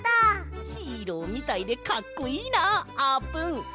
ヒーローみたいでかっこいいなあーぷん。